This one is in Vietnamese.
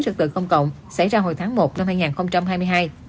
trực tự công cộng xảy ra hồi tháng một năm hai nghìn hai mươi hai